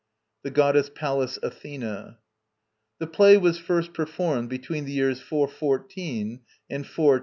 The Goddess PALLAS ATHENA. The play was first performed between the years 414 and 412 B.